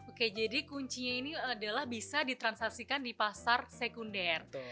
oke jadi kuncinya ini adalah bisa ditransaksikan di pasar sekunder